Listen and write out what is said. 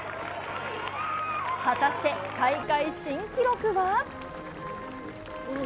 果たして大会新記録は？